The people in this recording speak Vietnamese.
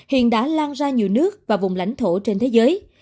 hiện đã lan ra nhiều nước và vùng lãnh thổ trên thế giới